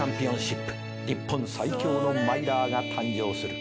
日本最強のマイラーが誕生する。